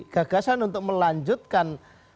gagasan untuk melanjutkan